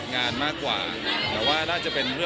คุณแม่น้องให้โอกาสดาราคนในผมไปเจอคุณแม่น้องให้โอกาสดาราคนในผมไปเจอ